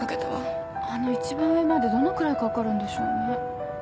あの一番上までどのくらいかかるんでしょうね？